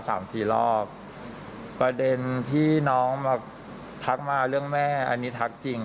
สามสี่รอบประเด็นที่น้องมาทักมาเรื่องแม่อันนี้ทักจริง